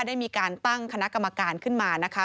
ได้มีการตั้งคณะกรรมการขึ้นมานะคะ